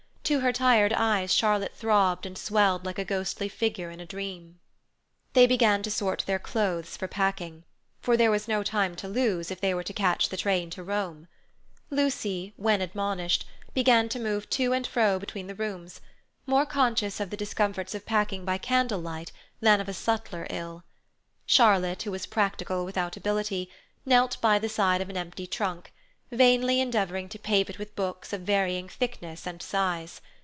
To her tired eyes Charlotte throbbed and swelled like a ghostly figure in a dream. They began to sort their clothes for packing, for there was no time to lose, if they were to catch the train to Rome. Lucy, when admonished, began to move to and fro between the rooms, more conscious of the discomforts of packing by candlelight than of a subtler ill. Charlotte, who was practical without ability, knelt by the side of an empty trunk, vainly endeavouring to pave it with books of varying thickness and size.